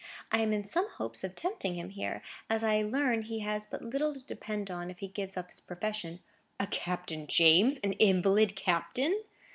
I am in some hopes of tempting him here, as I learn he has but little to depend on if he gives up his profession." "A Captain James! an invalid captain!"